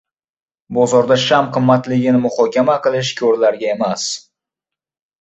• Bozorda sham qimmatligini muhokama qilish ko‘rlarga emas.